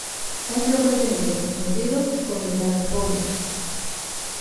Es frecuentemente confundido con islamofobia.